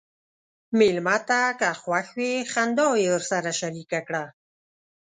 مېلمه ته که خوښ وي، خنداوې ورسره شریکه کړه.